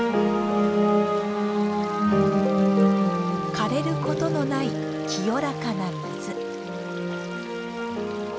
枯れることのない清らかな水。